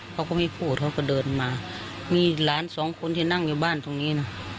เขาก็ไม่พูดเขาก็เดินมามีหลานสองคนที่นั่งอยู่บ้านตรงนี้นะ